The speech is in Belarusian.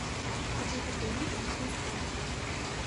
А гэта вельмі тонкая справа.